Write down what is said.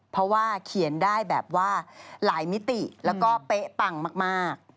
เพราะว่าเขียนได้แบบว่าหลายมิติแล้วก็เป๊ะปังมาก